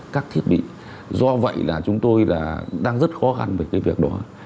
các thiết bị do vậy là chúng tôi là đang rất khó khăn về cái việc đó